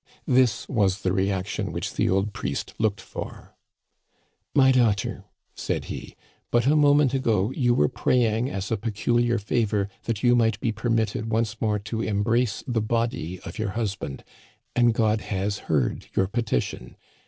This was the reaction which the old priest looked for. '* My daughter," said he, " but a moment ago you were praying as a peculiar favor that you might be per mitted once more to embrace the body of your husband, and God has heard your petition.